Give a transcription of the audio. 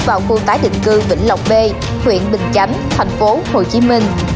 vào khu tái định cư vĩnh lộc b huyện bình chánh thành phố hồ chí minh